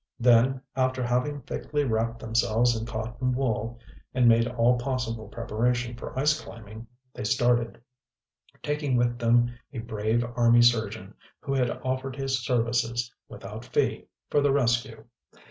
Then, after having thickly wrapped themselves in cotton wool, and made all possible preparation for ice climbing, they started, taking with them a brave army surgeon who had offered his services, without fee, for the rescue.